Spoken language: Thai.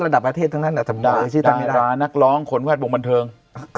ระดับอเทศทั้งเนี่ยตำรวจชื่อตำรวจนักร้องคนวาดวงค์บันเทิง